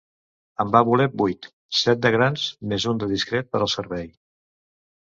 En va voler vuit, set de grans més un de discret per al servei.